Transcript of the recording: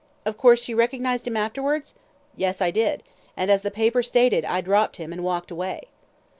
"Of course, you recognised him afterwards?" "Yes I did. And, as the paper stated, I dropped him and walked away."